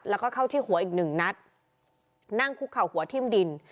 แล้วก็เข้าที่หัวอีกหนึ่งนัดนั่งคุกเข่าหัวทิ่มดิน